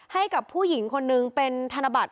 ให้กับผู้หญิงเป็นธนบัตร